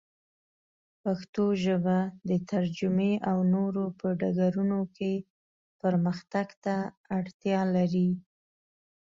پښتو ژبه د ترجمې او نورو په ډګرونو کې پرمختګ ته اړتیا لري.